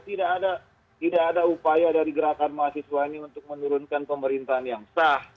tidak ada upaya dari gerakan mahasiswa ini untuk menurunkan pemerintahan yang sah